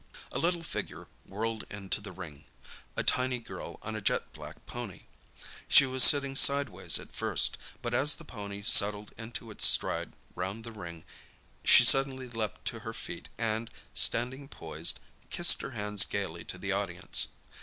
A little figure whirled into the ring—a tiny girl on a jet black pony. She was sitting sideways at first, but as the pony settled into its stride round the ring she suddenly leaped to her feet and, standing poised, kissed her hands gaily to the audience.